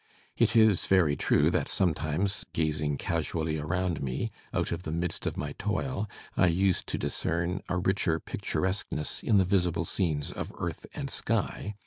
It is very true that, sometimes, gazing casually around me, out of the midst of my toil, I used to discern a richer picturesqueness in the visible scenes of earth and sky.